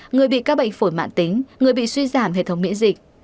người bị các bệnh phổi mạng tính người bị suy giảm hệ thống miễn dịch